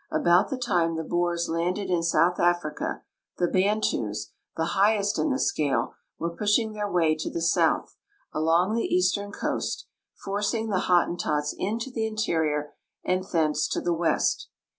About the time the Boers landed in South Africa, the Bantus, the highest in the scale, were pushing their wa}" to the south, along the eastern coast, forcing the Hottentots into the interior and thence to the west.